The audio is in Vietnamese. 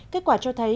kết quả cho thấy